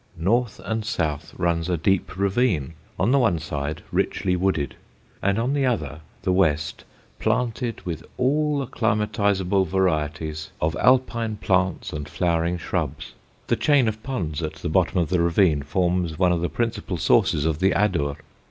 North and south runs a deep ravine, on the one side richly wooded, and on the other, the west, planted with all acclimatisable varieties of Alpine plants and flowering shrubs. The chain of ponds at the bottom of the ravine forms one of the principal sources of the Adur.